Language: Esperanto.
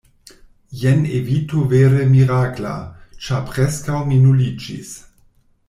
“Jen evito vere mirakla! Ĉar preskaŭ mi nuliĝis!”